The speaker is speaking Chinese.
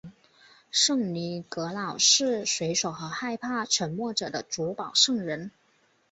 圣尼各老是水手和害怕沉没者的主保圣人。